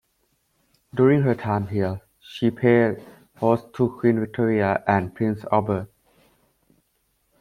During her time here, she played host to Queen Victoria and Prince Albert.